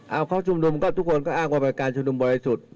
เอาเขาจุดลุมทุกคนก็อ้ากว่าเป็นการจุดลุมดรกวัยสุด